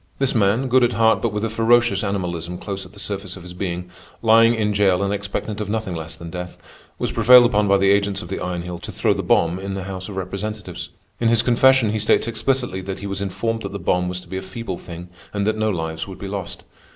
This man, good at heart but with a ferocious animalism close at the surface of his being, lying in jail and expectant of nothing less than death, was prevailed upon by the agents of the Iron Heel to throw the bomb in the House of Representatives. In his confession he states explicitly that he was informed that the bomb was to be a feeble thing and that no lives would be lost.